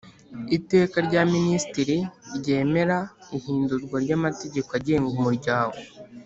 Iteka rya Minisitiri ryemera ihindurwa ry amategeko agenga umuryango